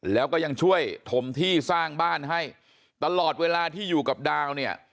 แล้วก็ยังช่วยถมที่สร้างบ้านให้ตลอดเวลาที่อยู่กับดาวเนี่ย